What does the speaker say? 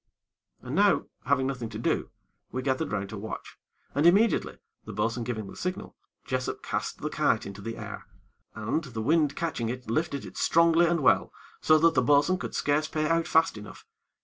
And now, having nothing to do, we gathered round to watch, and, immediately, the bo'sun giving the signal, Jessop cast the kite into the air, and, the wind catching it, lifted it strongly and well, so that the bo'sun could scarce pay out fast enough.